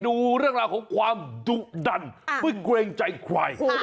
ดูเรื่องราวของความดุดันไม่เกรงใจใคร